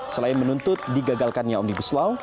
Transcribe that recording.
selain menuntut digagalkannya omnibus law